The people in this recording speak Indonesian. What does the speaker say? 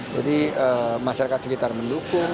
jadi masyarakat sekitar mendukung